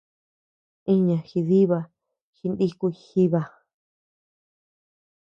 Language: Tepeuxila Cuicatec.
Iña jidiba jinikuy jiba.